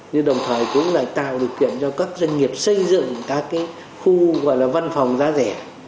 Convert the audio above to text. như đồng thời cũng là tạo được chuyện cho các doanh nghiệp xây dựng các cái khu gọi là văn phòng ra rẻ